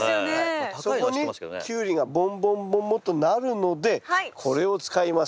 そこにキュウリがボンボンボンボンとなるのでこれを使います。